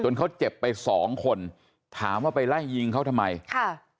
เขาเจ็บไปสองคนถามว่าไปไล่ยิงเขาทำไมค่ะ